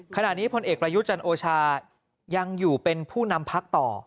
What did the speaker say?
ขณะนี้พลเอกประยุจันทร์โอชายังอยู่เป็นผู้นำพักต่อ